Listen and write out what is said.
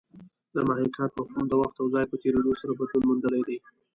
د محاکات مفهوم د وخت او ځای په تېرېدو سره بدلون موندلی دی